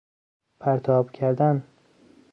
پرتاب کردن